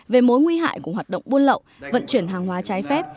về mối nguy hại của hoạt động buôn lậu vận chuyển hàng hóa trái phép